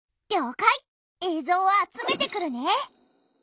えいぞうを集めてくるね！